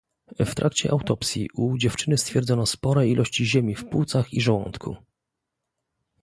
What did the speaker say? W trakcie autopsji u dziewczyny stwierdzono spore ilości ziemi w płucach i żołądku